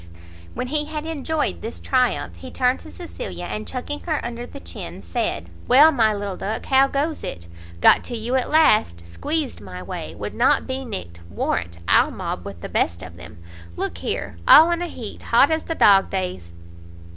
When he had enjoyed this triumph, he turned to Cecilia, and chucking her under the chin, said "Well, my little duck, how goes it? got to you at last; squeezed my way; would not be nicked; warrant I'll mob with the best of them! Look here! all in a heat! hot as the dog days."